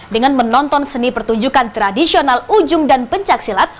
dengan menonton seni pertunjukan tradisional ujung dan pencaksilat